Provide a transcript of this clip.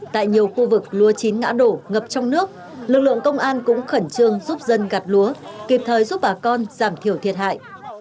tại nhiều khu vực lúa chín ngã đổ ngập trong nước lực lượng công an cũng khẩn trương giúp dân gặt lúa kịp thời giúp bà con giảm thiểu thiệt hại